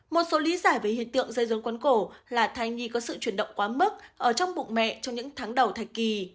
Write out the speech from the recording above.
một số lý giải về hiện tượng dây rốn cuốn cổ là thai nhi có sự chuyển động quá mức ở trong bụng mẹ trong những tháng đầu thai kỳ